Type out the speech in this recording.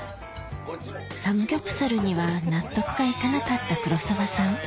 サムギョプサルには納得が行かなかった黒沢さん